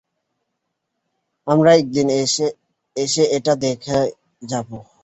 আমরা একদিন এসে এটা দেখে যাবো।